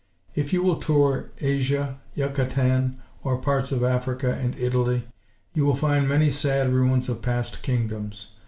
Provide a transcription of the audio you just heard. If you will tour Asia, Yucatan, or parts of Africa and Italy, you will find many sad ruins of past kingdoms.